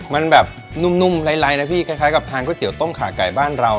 มันแบบนุ่มไรนะพี่คล้ายกับทานก๋วเตี๋ต้มขาไก่บ้านเรา